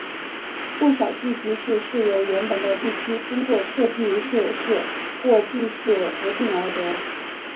不少地级市是由原本的地区通过撤地设市或地市合并而得。